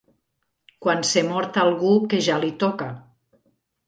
Quan se mort algú que ja li toca